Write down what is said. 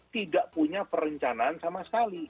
tidak punya perencanaan sama sekali